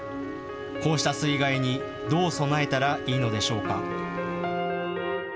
こうした水害にどう備えたらいいのでしょうか。